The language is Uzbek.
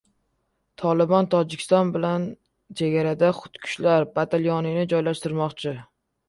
Tolibon Tojikiston bilan chegarada xudkushlar batalyonini joylashtirmoqchi